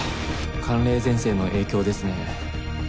寒冷前線の影響ですね。